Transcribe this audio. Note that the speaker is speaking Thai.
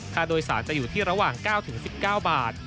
ค่าโดยสารจะอยู่ที่ระหว่าง๙๑๙บาท